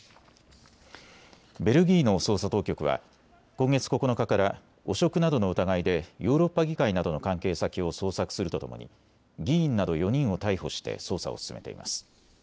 ベルギーの捜査当局は今月９日から汚職などの疑いでヨーロッパ議会などの関係先を捜索するとともに議員など４人を逮捕して捜査を進めています。